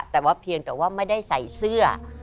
แต่ว่าเพียงแต่ว่าไม่ได้ใส่เสื้อ